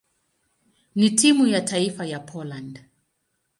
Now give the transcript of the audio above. na timu ya taifa ya Poland.